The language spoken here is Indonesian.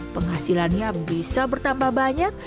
penghasilannya bisa bertambah banyak